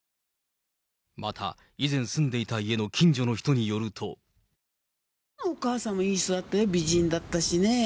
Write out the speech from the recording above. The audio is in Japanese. また、以前住んでいた家の近所の人によると。お母さんもいい人だったよ、美人だったしね。